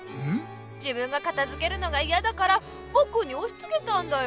自分がかたづけるのがいやだからぼくにおしつけたんだよ。